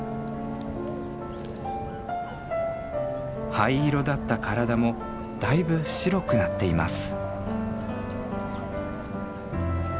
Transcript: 灰色だった体もだいぶ白くなっています。